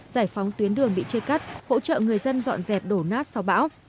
giải phóng tuyến đường bị chê cắt hỗ trợ người dân dọn dẹp đổ nát sau bão